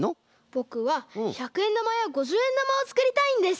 ぼくはひゃくえんだまやごじゅうえんだまをつくりたいんです！